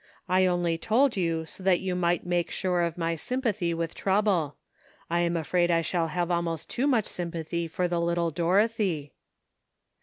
I only told you so that you might make sure of my sympathy with trouble. I am afraid I shall have almost too much sym pathy for the little Dorothy."